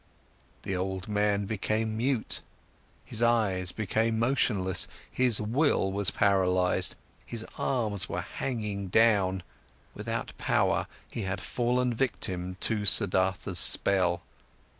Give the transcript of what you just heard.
The old man became mute, his eyes became motionless, his will was paralysed, his arms were hanging down; without power, he had fallen victim to Siddhartha's spell.